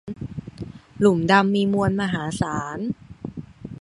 หลุมดำมีมวลมหาศาล